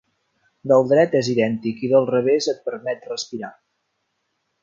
Del dret és idèntic i del revés et permet respirar.